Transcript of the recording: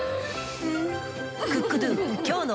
うん！